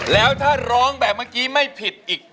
แล้วถ้าร้องแบบเมื่อกี้ไม่ผิดอีก